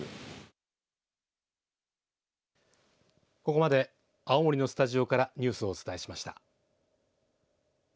ここまで、青森のスタジオからニュースをお伝えしました。